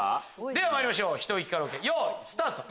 ではまいりましょうひと息カラオケよいスタート。